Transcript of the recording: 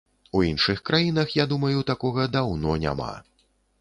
У іншых краінах, я думаю, такога даўно няма.